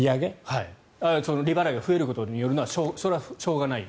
利払いが増えることによるのはしょうがない。